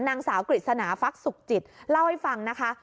นางสาวกฤษณาฟักสุขจิตเล่าให้ฟังนะคะ